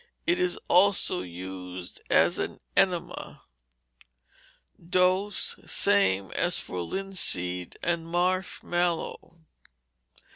It is also used as an enema. Dose, same as for linseed and marsh mallow.